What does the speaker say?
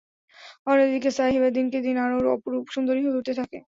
অন্য দিকে সাহিবা দিনকে দিন আরও অপরূপ সুন্দরী হয়ে উঠতে থাকে।